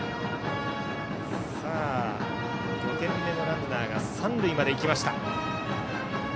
さあ、５点目のランナーが三塁まで行きました。